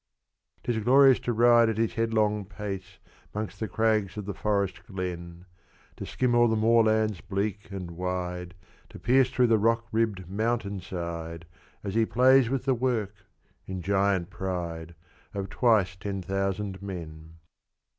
'Tis glorious to ride at his headlong pace 'Mongst the crags of the forest glen, To skim o'er the moorlands bleak and wide, To pierce through the rock ribbed mountain side, As he plays with the work in giant pride Of twice ten thousand men.